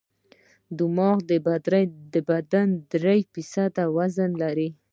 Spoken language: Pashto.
دماغ د بدن درې فیصده وزن لري.